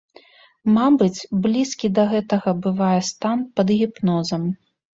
Мабыць, блізкі да гэтага бывае стан пад гіпнозам.